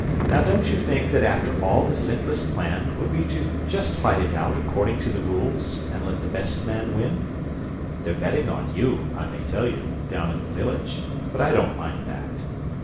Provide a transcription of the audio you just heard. Now don't you think that after all the simplest plan would be just to fight it out, according to the rules, and let the best man win? They're betting on you, I may tell you, down in the village, but I don't mind that!"